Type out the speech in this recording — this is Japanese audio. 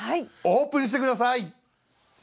オープンして下さい！